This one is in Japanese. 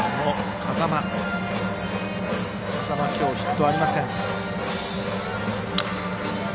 風間、今日ヒットありません。